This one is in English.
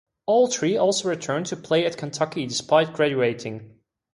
All three also returned to play at Kentucky despite graduating.